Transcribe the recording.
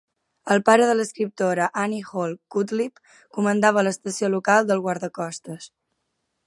El pare de l'escriptora Annie Hall Cudlip comandava l'estació local del guardacostes.